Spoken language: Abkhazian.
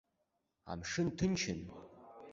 Амшын ҭынчын.